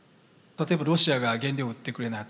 例えばロシアが原料を売ってくれない。